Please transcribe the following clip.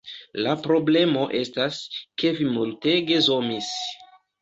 La problemo estas, ke vi multege zomis